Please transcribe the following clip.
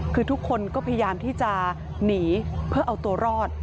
คือทุกคนก็พยายามที่จะหนีเพื่อเอาตัวรอด